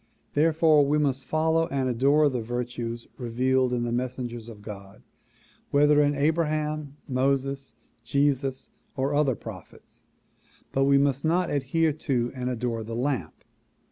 Therefore we must follow and adore the virtues revealed in the messengers of God whether in Abraham, Moses, Jesus or other prophets but we must not adhere to and adore the lamp.